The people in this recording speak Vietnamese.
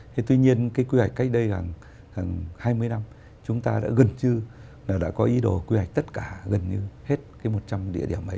thế tuy nhiên cái quy hoạch cách đây khoảng hai mươi năm chúng ta đã gần như là đã có ý đồ quy hoạch tất cả gần như hết cái một trăm linh địa điểm ấy